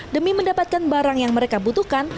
demi mendapatkan barang yang mereka butuhkan